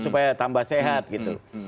supaya tambah sehat gitu